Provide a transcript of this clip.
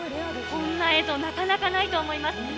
こんな映像、なかなかないと思います。